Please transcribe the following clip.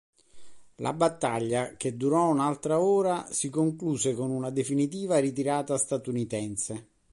La battaglia, che durò un'altra ora, si concluse con una definitiva ritirata statunitense.